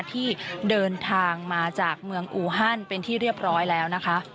ที่เดินทางมาจากเมืองอูฮันเป็นที่เรียบร้อยแล้วนะคะ